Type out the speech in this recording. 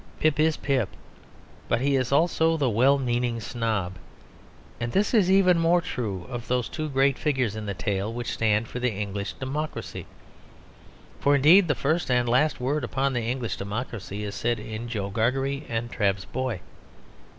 Pip is Pip, but he is also the well meaning snob. And this is even more true of those two great figures in the tale which stand for the English democracy. For, indeed, the first and last word upon the English democracy is said in Joe Gargery and Trabb's boy.